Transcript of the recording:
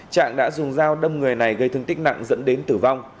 trạng đã dùng dao đâm người này gây thương tích nặng dẫn đến tử vong